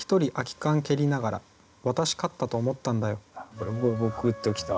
これも「グッときた」